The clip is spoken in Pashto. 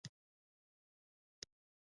ښوونځي یې هم جوړ کړل.